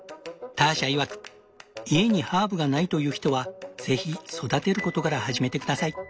ターシャいわく「家にハーブがないという人はぜひ育てることから始めて下さい。